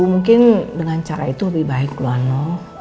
mungkin dengan cara itu lebih baik loh no